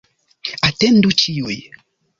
Atendu ĉiuj